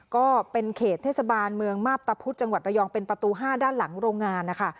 ก็เป็นเขตเทศบาลเมืองมาพตะพุธจังหวัดระยองเป็นประตู๕ด้านหลังโรงงานนะคะ